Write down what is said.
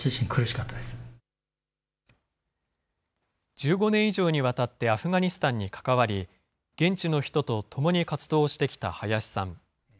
１５年以上にわたってアフガニスタンに関わり、現地の人と共に活動してきた林さん。